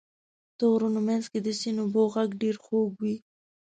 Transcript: د غرونو منځ کې د سیند اوبو غږ ډېر خوږ دی.